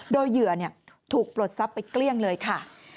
โดยเหยื่อถูกปลดทรัพย์ไปเกลี้ยงเลยค่ะ